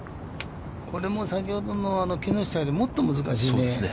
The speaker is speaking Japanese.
これも先ほどの木下よりもっと難しいね。